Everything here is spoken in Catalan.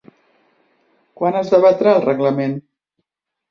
Quan es debatrà el reglament?